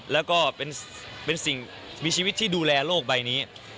แล้วก็เป็นสิ่งมีชีวิตที่ดูแลโลกใบนี้